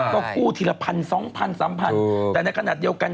ก็ผู้ทีละพัน๒๐๐๐๓๐๐๐แต่ในขณะเดียวกัน